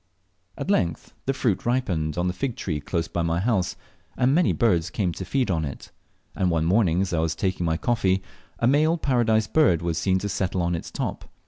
At length the fruit ripened on the fig tree close by my house, and many birds came to feed on it; and one morning, as I was taking my coffee, a male Paradise Bird was seen to settle on its top.